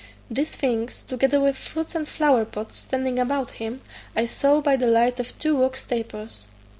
These things, together with fruits and flower pot standing about him, I saw by the light of two wax tapers.